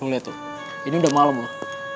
lo liat tuh ini udah malem loh